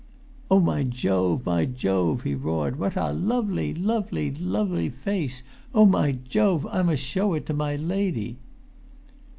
"Oh, my Jove, my Jove!" he roared. "What a lovely, lovely, lovely face! Oh, my Jove, I must show it to my lady!"